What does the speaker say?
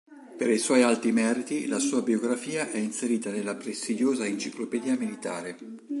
Per i suoi alti meriti la sua biografia è inserita nella prestigiosa Enciclopedia Militare.